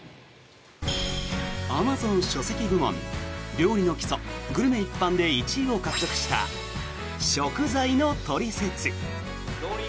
アマゾン書籍部門料理の基礎、グルメ一般で１位を獲得した「“食材”のトリセツ」。